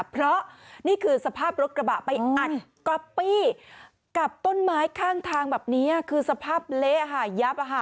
เพราะนี่คือสภาพรถกระบะไปอัดก๊อปปี้กับต้นไม้ข้างทางแบบนี้คือสภาพเละค่ะยับ